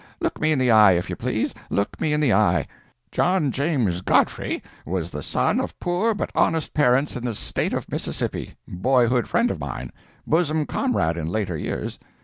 Look me in the eye, if you please; look me in the eye. John James Godfrey was the son of poor but honest parents in the State of Mississippi—boyhood friend of mine—bosom comrade in later years.